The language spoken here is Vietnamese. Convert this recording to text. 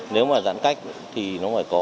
nếu mà giãn cách thì nó phải có